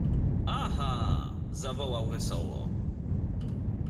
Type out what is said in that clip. — Aha! — zawołał wesoło.